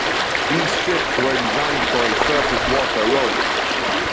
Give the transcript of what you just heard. These ships were designed for a surface warfare role.